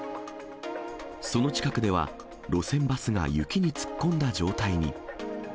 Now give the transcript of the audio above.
その近くでは、路線バスが雪に突っ込んだ状態に。